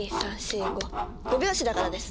５拍子だからです。